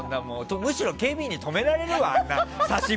むしろ警備員に止められるわ。